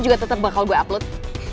juga tetap bakal gue upload